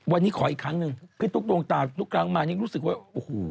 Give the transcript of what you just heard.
วันนี้ขออีกครั้งหนึ่งพี่ตุ๊กดวงตาทุกครั้งมานี่รู้สึกว่าโอ้โห